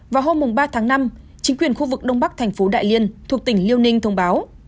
vào hôm ba tháng năm chính quyền khu vực đông bắc thành phố đại liên thuộc tỉnh liêu ninh thông báo